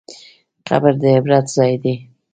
قبر د عبرت ځای دی.